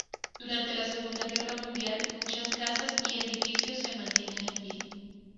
Durante la Segunda Guerra Mundial muchas casas y edificios se mantienen en pie.